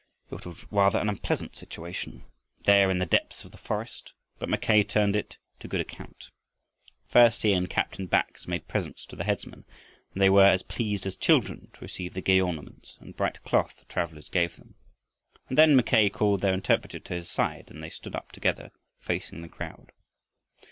It was rather an unpleasant situation, there in the depths of the forest, but Mackay turned it to good account. First he and Captain Bax made presents to the headmen and they were as pleased as children to receive the gay ornaments and bright cloth the travelers gave them. And then Mackay called their interpreter to his side and they stood up together, facing the crowd.